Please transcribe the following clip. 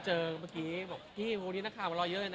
อ๋อเจอเมื่อกี้พี่วันนี้นักข่าวมารอเยอะเลยนะ